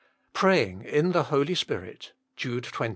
"Praying in the Holy Spirit." JUDE 20.